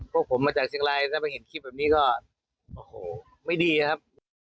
พวกผมมาจากเชียงรายถ้าไปเห็นคลิปแบบนี้ก็โอ้โหไม่ดีครับ